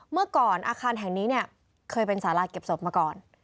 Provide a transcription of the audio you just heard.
เมื่อก่อนอาคารแห่งนี้เนี่ยเคยเป็นสาราเก็บศพมาก่อน